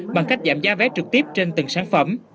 bằng cách giảm giá vé trực tiếp trên từng sản phẩm